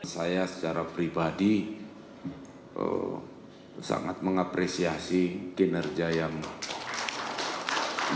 saya secara pribadi sangat mengapresiasi kinerja yang baik